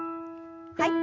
はい。